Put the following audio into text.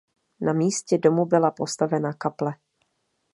Na místě domu byla postavena kaple.